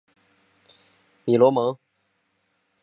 米罗蒙。